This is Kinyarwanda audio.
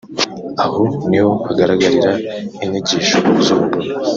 Aho niho hagaragarira inyigisho z’ubugome